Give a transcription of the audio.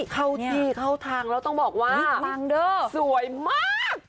เข้าที่เข้าทางแล้วต้องบอกว่าสวยมาก